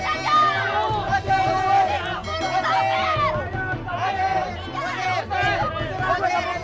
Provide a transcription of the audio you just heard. sekali lagi kamu bilang anak terkutuk ini anakku